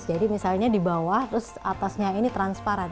jadi misalnya di bawah terus atasnya ini transparan